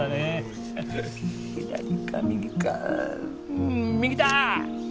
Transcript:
左か右か右だ！